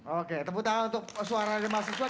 oke tepuk tangan untuk suara mas juntur